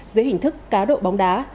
dưới hình thức cá độ bóng đá